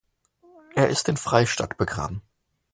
Er ist in Freistatt begraben.